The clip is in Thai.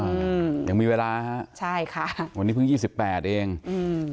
อืมยังมีเวลาฮะใช่ค่ะวันนี้เพิ่งยี่สิบแปดเองอืม